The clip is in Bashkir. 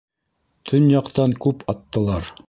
Төньяҡтан күп аттылар.